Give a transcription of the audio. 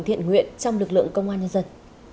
nhận nguyện trong lực lượng công an nhân dân